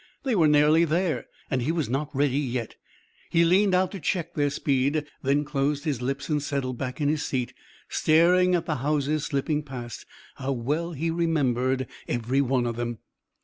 They were nearly there, and he was not ready yet. He leaned out to check their speed, then closed his lips and settled back in his seat, staring at the houses slipping past. How well he remembered every one of them!